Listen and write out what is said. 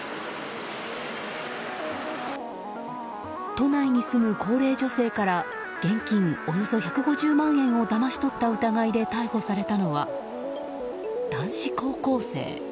都内に住む高齢女性から現金およそ１５０万円をだまし取った疑いで逮捕されたのは、男子高校生。